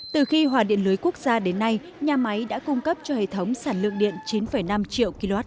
từ khi hòa điện lưới quốc gia đến nay nhà máy đã cung cấp cho hệ thống sản lượng điện chín năm triệu kwh